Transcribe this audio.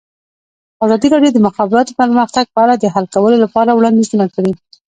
ازادي راډیو د د مخابراتو پرمختګ په اړه د حل کولو لپاره وړاندیزونه کړي.